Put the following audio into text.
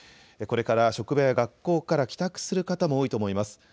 これから職場や学校から帰宅する方も多いと思います。